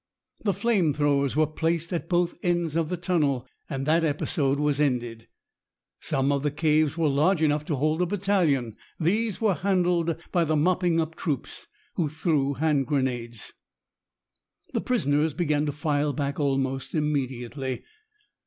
The flame throwers were placed at both ends of the tunnel, and that episode was ended. Some of the caves were large enough to hold a battalion. These were handled by the mopping up troops, who threw hand grenades. The prisoners began to file back almost immediately.